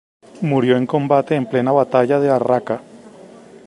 Murió en combate en plena batalla de Al Raqa.